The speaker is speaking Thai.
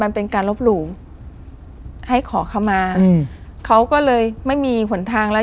มันเป็นการลบหลู่ให้ขอเข้ามาอืมเขาก็เลยไม่มีหนทางแล้ว